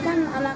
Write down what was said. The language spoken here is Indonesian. saya selalu ajak